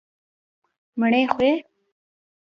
_مړۍ خورې؟